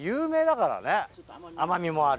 甘みもある。